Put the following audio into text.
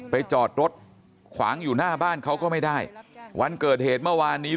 จอดรถขวางอยู่หน้าบ้านเขาก็ไม่ได้วันเกิดเหตุเมื่อวานนี้